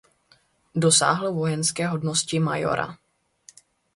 Dosáhl vojenské hodnosti majora.